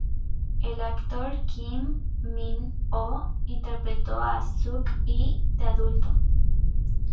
El actor Kim Min-ho interpretó a Suk-hee de adulto.